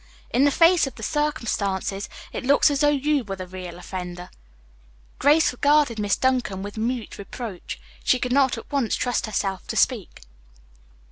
In the face of the circumstances it looks as though you were the real offender." Grace regarded Miss Duncan with mute reproach. She could not at once trust herself to speak.